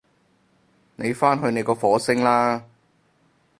你返去你個火星啦